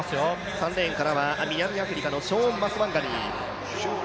３レーンからは南アフリカのショーン・マスワンガニー。